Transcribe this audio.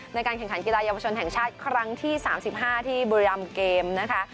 ในการแข่งขันกีฬาเยาวชนแห่งชาติครั้งที่๓๕ที่บุรีรำเกมนะคะ